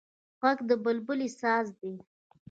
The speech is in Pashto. غږ د بلبل ساز دی